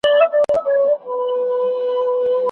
چاپېریال ساتنه د انسان د ژوند اړتیا ده.